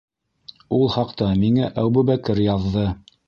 Ул хаҡта миңә Әбүбәкер яҙҙы.